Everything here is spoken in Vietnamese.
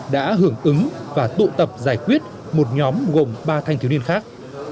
đã hưởng ứng và tụ tập giải quyết một nhóm gồm ba thanh thiếu niên khác